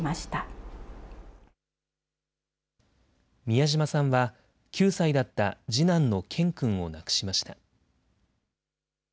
美谷島さんは、９歳だった次男の健君を亡くしました。